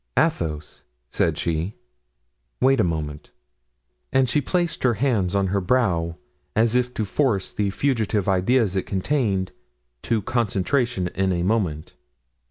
"Athos?" said she; "wait a moment." And she placed her hands on her brow, as if to force the fugitive ideas it contained to concentration in a moment.